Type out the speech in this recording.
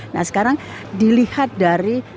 nah sekarang dilihat dari